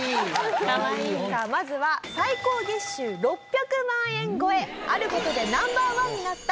さあまずは最高月収６００万円超えある事でＮＯ．１になった